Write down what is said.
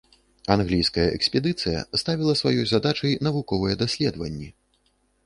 Англійская экспедыцыя ставіла сваёй задачай навуковыя даследаванні.